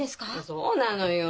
そうなのよ。